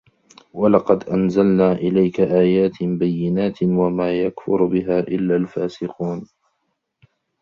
وَلَقَدْ أَنْزَلْنَا إِلَيْكَ آيَاتٍ بَيِّنَاتٍ ۖ وَمَا يَكْفُرُ بِهَا إِلَّا الْفَاسِقُونَ